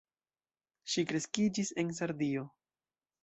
Ŝi kreskiĝis en Sardio.